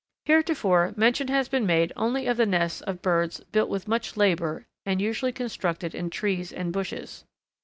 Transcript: _ Heretofore, mention has been made only of the nests of birds built with much labour and usually constructed in trees or bushes.